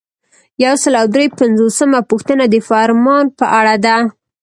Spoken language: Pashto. یو سل او درې پنځوسمه پوښتنه د فرمان په اړه ده.